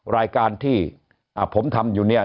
รายการที่ผมทำอยู่เนี่ย